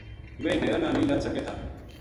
ویہ ڈیرا نا نیہہ لد سکے تھا